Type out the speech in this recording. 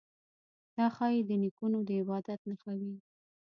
دا ښايي د نیکونو د عبادت نښه وي.